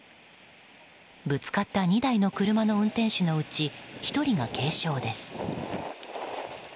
ぶつかった２台の車の運転手のうち１人が軽傷です。